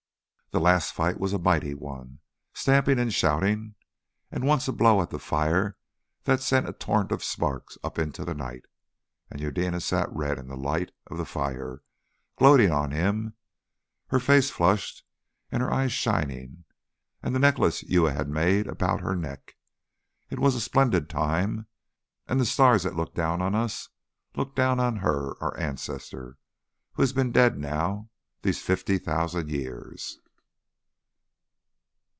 The last fight was a mighty one, stamping and shouting, and once a blow at the fire that sent a torrent of sparks up into the night. And Eudena sat red in the light of the fire, gloating on him, her face flushed and her eyes shining, and the necklace Uya had made about her neck. It was a splendid time, and the stars that look down on us looked down on her, our ancestor who has been dead now these fifty thousand years.